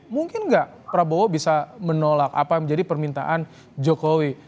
mungkin nggak prabowo bisa menolak apa yang menjadi permintaan jokowi